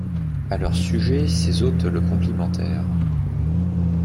À leur sujet ses hôtes le complimentèrent.